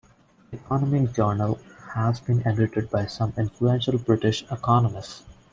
"The Economic Journal" has been edited by some influential British Economists.